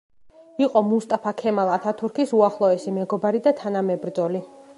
იყო მუსტაფა ქემალ ათათურქის უახლოესი მეგობარი და თანამებრძოლი.